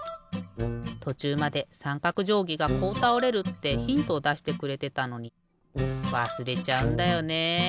とちゅうまでさんかくじょうぎがこうたおれるってヒントをだしてくれてたのにわすれちゃうんだよね。